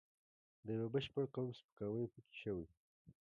د یوه بشپړ قوم سپکاوی پکې شوی.